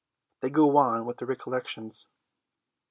They go on with their recollections.